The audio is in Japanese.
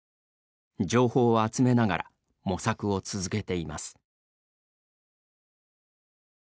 情報を集めながら模索を続けています。